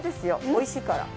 おいしいから。